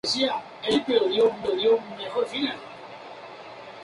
Hijo de don Ramón Jaramillo Chacón y doña María del Carmen Niño.